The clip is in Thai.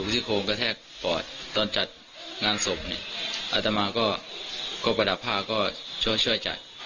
จัดให้จัดงานให้